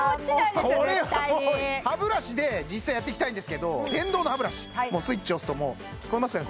絶対に歯ブラシで実際やっていきたいんですけど電動の歯ブラシスイッチ押すともう聞こえますかね